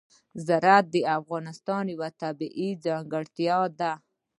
زراعت د افغانستان یوه طبیعي ځانګړتیا ده.